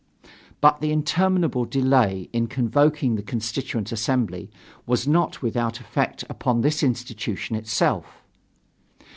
But the interminable delay in convoking the Constituent Assembly was not without effect upon this institution itself.